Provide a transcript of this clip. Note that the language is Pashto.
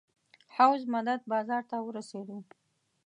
حوض مدد بازار ته ورسېدو.